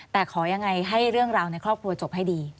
แต่ขอยังไงให้เรื่องราวในครอบครัวจบให้ดี